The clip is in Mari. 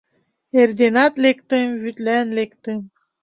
Эрденат лектым, вӱдлан лектым